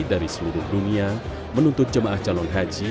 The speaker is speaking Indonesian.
dari seluruh dunia menuntut jemaah calon haji